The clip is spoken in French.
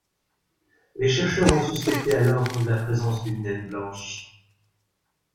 Les chercheurs ont suspecté alors la présence d'une naine blanche.